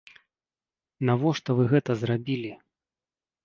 Навошта вы гэта зрабілі?!